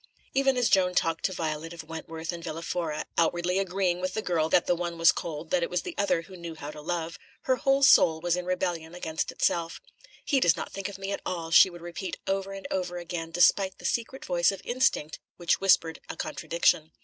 Even as Joan talked to Violet of Wentworth and Villa Fora, outwardly agreeing with the girl that the one was cold, that it was the other who knew how to love, her whole soul was in rebellion against itself. "He does not think of me at all," she would repeat over and over again, despite the secret voice of instinct which whispered a contradiction.